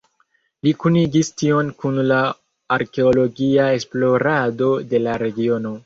Li kunigis tion kun la arkeologia esplorado de la regiono.